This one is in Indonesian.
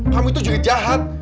kamu itu juga jahat